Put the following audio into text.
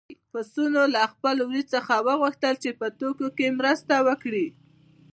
پسونو له خپل وري څخه وغوښتل چې په ټوکو کې مرسته وکړي.